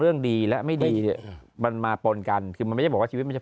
เรื่องดีและไม่ดีเนี่ยมันมาปนกันคือมันไม่ใช่บอกว่าชีวิตมันจะ